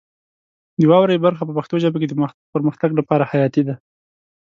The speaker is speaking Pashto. د واورئ برخه په پښتو ژبه کې د پرمختګ لپاره حیاتي ده.